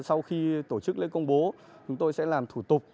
sau khi tổ chức lễ công bố chúng tôi sẽ làm thủ tục